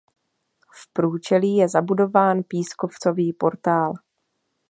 V průčelí je zabudován pískovcový portál.